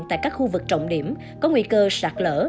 tại các khu vực trọng điểm có nguy cơ sạt lở